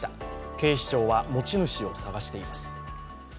警視庁は持ち主を捜しています。